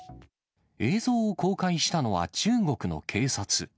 映像を公開したのは中国の警察。